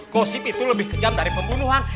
gosip itu lebih kejam dari pembunuhan